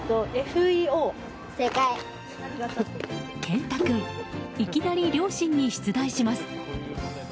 けんた君、いきなり両親に出題します。